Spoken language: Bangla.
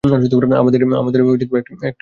আমাদের একটা বোন ছিল।